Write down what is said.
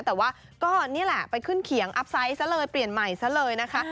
แต่ว่าก็นี่แหละไปขึ้นเขียงอัพไซต์ซะเลยเปลี่ยนใหม่ซะเลยนะคะ